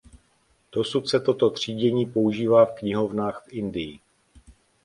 Dosud se toto třídění používá v knihovnách v Indii.